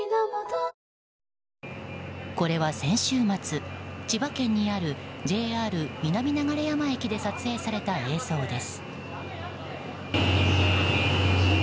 これは先週末、千葉県にあるＪＲ南流山駅で撮影された映像です。